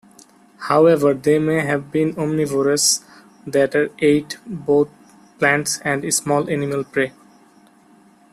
However, they may have been omnivores that ate both plants and small animal prey.